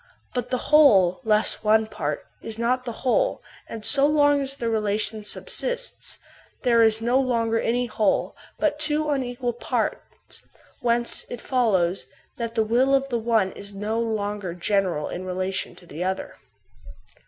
But the whole, less one part, is not the whole, and so long as the relation subsists, there is no longer any whole, but two unequal parts; whence it follows that the will of the one is no longer general in relation to the other.